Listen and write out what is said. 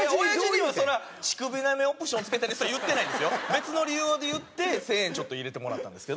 別の理由で言って１０００円入れてもらったんですけど。